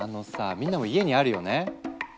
みんなも家にあるよね？